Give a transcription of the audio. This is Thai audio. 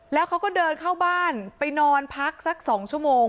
แล้วเขาก็เดินเข้าบ้านไปนอนพักสัก๒ชั่วโมง